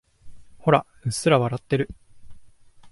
ほら、うっすら笑ってる。